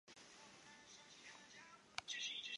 西汉帝王郊祀之礼沿袭秦代。